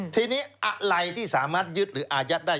ทีนี้อะไรที่สามารถยึดหรืออายัดได้